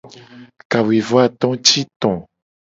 Kawuivoato ti to.